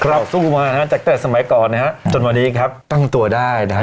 เราสู้มานะฮะตั้งแต่สมัยก่อนนะฮะจนวันนี้ครับตั้งตัวได้นะฮะ